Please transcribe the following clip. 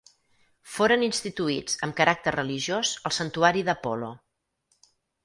Foren instituïts amb caràcter religiós al santuari d'Apol·lo.